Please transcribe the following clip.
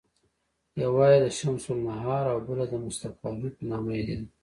یوه یې د شمس النهار او بله د مصطفاوي په نامه یادېده.